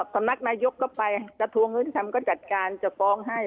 สำนักนายกก็ไปกระทรวงยุติธรรมก็จัดการจะฟ้องให้